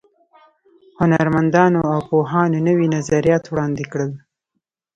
هنرمندانو او پوهانو نوي نظریات وړاندې کړل.